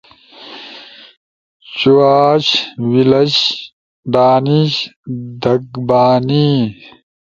چُواش، ویلش، ڈانیش، دھگبانی